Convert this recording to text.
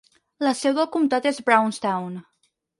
La seu del comtat és Brownstown.